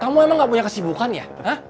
kamu emang gak punya kesibukan ya